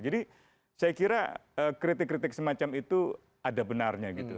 jadi saya kira kritik kritik semacam itu ada benarnya gitu